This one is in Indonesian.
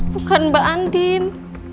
bukan mbak andin